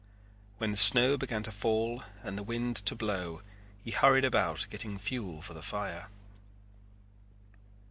When the snow began to fall and the wind to blow he hurried about getting fuel for the fire.